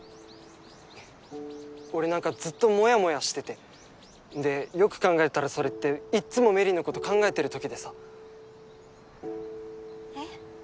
俺なんかずっとモヤモヤしててでよく考えたらそれっていっつも芽李のこと考えてるときでさえっ？